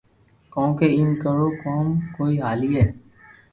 ڪونڪہ ايم ڪوم ڪوئي ھالئي